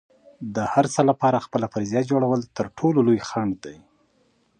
د هر څه لپاره خپله فرضیه جوړول تر ټولو لوی خنډ دی.